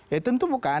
ya tentu bukan